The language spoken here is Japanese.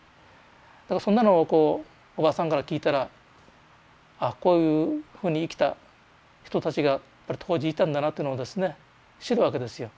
だからそんなのをこうおばさんから聞いたらあっこういうふうに生きた人たちがやっぱり当時いたんだなっていうのをですね知るわけですよ。